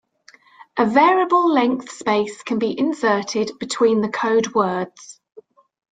A variable length space can be inserted between the code words.